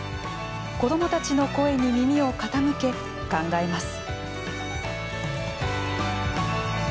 子どもたちの声に耳を傾け考えます。